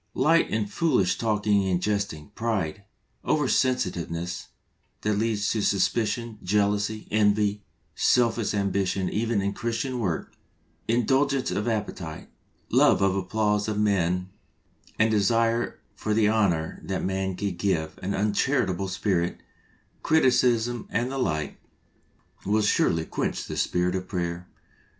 Light and foolish talking and jesting, pride, oversensitive ness that leads to suspicion, jealousy, envy, selfish ambition even in Christian work, indulgence of appetite, love of the applause of men and desire for the honour that man can give, an uncharitable spirit, criticism and the like, will surely quench the spirit of prayer.